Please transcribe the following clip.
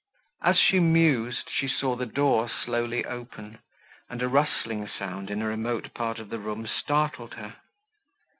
As she mused she saw the door slowly open, and a rustling sound in a remote part of the room startled her.